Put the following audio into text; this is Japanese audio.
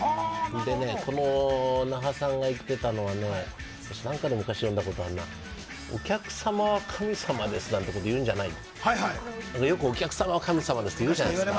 この那覇さんが言ってたのは何かで昔読んだことあるんですけどお客さまは神様ですなんてこと言うんじゃないでよくお客さまは神様ですっていうじゃないですか。